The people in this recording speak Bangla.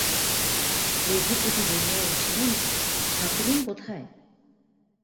রঘুপতি বলিয়া উঠিলেন, ঠাকুরুন কোথায়?